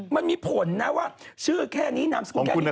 มันมีผลนะว่าชื่อแค่นี้นามสกุลแค่นี้